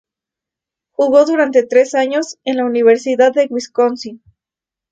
Jugó durante tres años en la Universidad de Wisconsin.